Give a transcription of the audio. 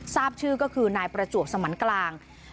ทราบชื่อก็คือนายประจวบสมันกลาง